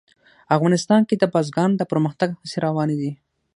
افغانستان کې د بزګان د پرمختګ هڅې روانې دي.